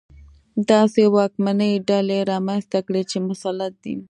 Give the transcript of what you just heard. داسې واکمنې ډلې رامنځته کړي چې مسلط دي.